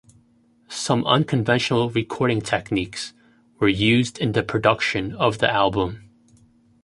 Some unconventional recording techniques were used in the production of the album.